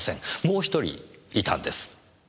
もう一人いたんです。